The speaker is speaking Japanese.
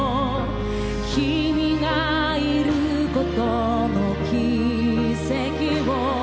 「君がいることの奇跡を」